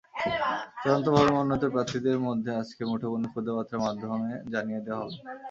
চূড়ান্তভাবে মনোনীত প্রার্থীদের আজকের মধ্যে মুঠোফোনে খুদেবার্তার মাধ্যমে জানিয়ে দেওয়া হবে।